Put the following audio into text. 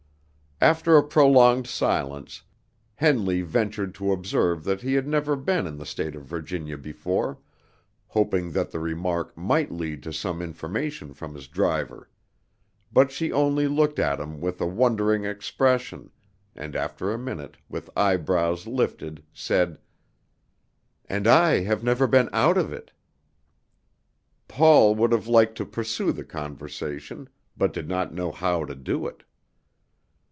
After a prolonged silence, Henley ventured to observe that he had never been in the State of Virginia before, hoping that the remark might lead to some information from his driver; but she only looked at him with a wondering expression, and after a minute, with eyebrows lifted, said: "And I have never been out of it." Paul would have liked to pursue the conversation, but did not know how to do it.